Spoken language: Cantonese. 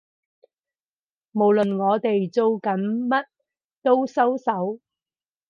無論我哋做緊乜都收手